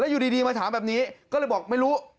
อยู่ดีมาถามแบบนี้ก็เลยบอกไม่รู้